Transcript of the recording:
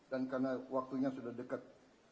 dan karena waktunya sudah dekat